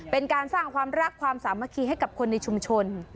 เป็นการสร้างความรักความสามัคคีให้กับคนในชุมชน